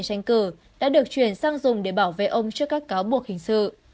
các phần lớn số tiền tranh cử đã được chuyển sang dùng để bảo vệ ông trước các cáo buộc hình sự